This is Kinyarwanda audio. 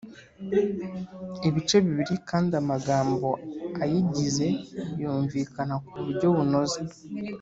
ibice bibiri kandi amagambo ayigize yumvikana ku buryo bunoze